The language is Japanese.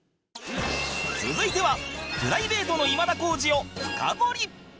続いてはプライベートの今田耕司を深掘り！